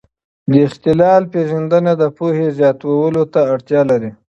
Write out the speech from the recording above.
د اختلال پېژندنه د پوهې زیاتولو ته اړتیا لري.